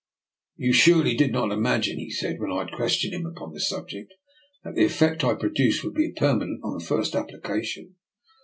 " You surely did not imagine,'* he said, when I had questioned him upon the subject, " that the effect I produced would be perma nent on the first application?